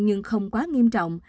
nhưng không quá nghiêm trọng